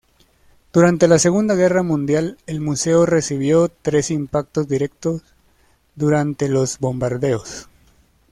Durante la Segunda Guerra Mundial, el museo recibió tres impactos directos durante los bombardeos.